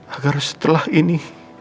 agar setelah ini